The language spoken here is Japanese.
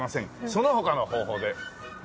その他の方法で。